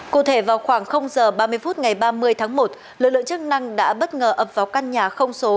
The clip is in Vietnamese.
cụ thể vào khoảng h ba mươi phút ngày ba mươi tháng một lực lượng chức năng đã bất ngờ ập vào căn nhà không số